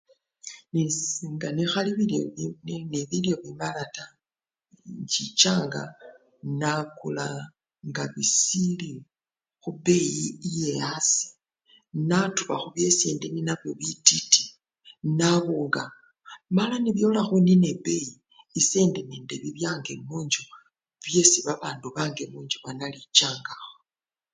Nesi! ne! nga nekhali nebilyo bimala taa, inchichanga nakula nga bisili khupeyi ye asii, natubakho byesi indi nenabyo bitit, nabunga, mala nebyola khunina ebeyi, esendi nende bibyange munchu byesi babandu bange munjju banalichanga.